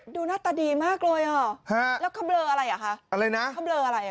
ดูหน้าตาดีมากเลยอ่ะแล้วเขาเบลออะไรอ่ะคะ